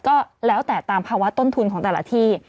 ก็แล้วแต่ตามภาวะต้นทุนของแต่ละที่